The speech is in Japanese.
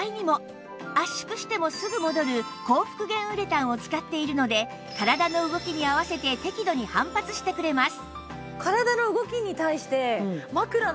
圧縮してもすぐ戻る高復元ウレタンを使っているので体の動きに合わせて適度に反発してくれます